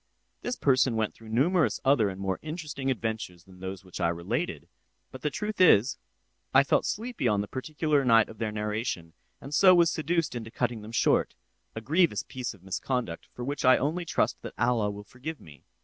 This person went through numerous other and more interesting adventures than those which I related; but the truth is, I felt sleepy on the particular night of their narration, and so was seduced into cutting them short—a grievous piece of misconduct, for which I only trust that Allah will forgive me.